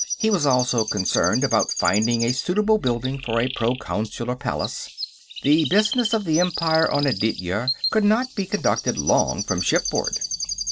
He was also concerned about finding a suitable building for a proconsular palace; the business of the Empire on Aditya could not be conducted long from shipboard.